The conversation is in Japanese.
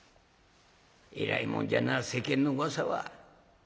えらいもんじゃな世間のうわさは。